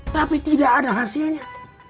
tapi tidak ada hasilnya